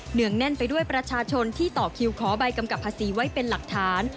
งแน่นไปด้วยประชาชนที่ต่อคิวขอใบกำกับภาษีไว้เป็นหลักฐาน